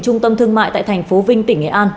trung tâm thương mại tại thành phố vinh tỉnh nghệ an